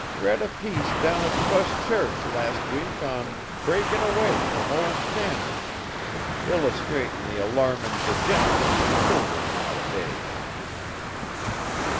Read a piece down at Fust Church last week on 'Breakin' Away from Old Standards,' illustratin' the alarmin' degen'racy of children nowadays."